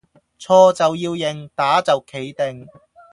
錯就要認，打就企定